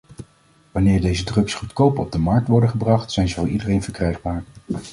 Wanneer deze drugs goedkoop op de markt worden gebracht, zijn ze voor iedereen verkrijgbaar.